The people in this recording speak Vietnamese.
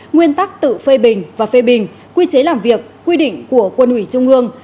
nguyên tắc tự phê bình và phê bình quy chế làm việc quy định của quân ủy trung ương